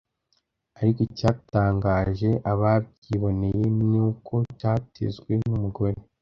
ariko icyatangaje ababyiboneye ni uko cyatezwe n’umugore